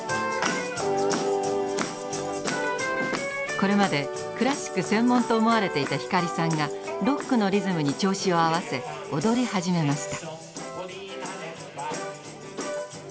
これまでクラシック専門と思われていた光さんがロックのリズムに調子を合わせ踊り始めました。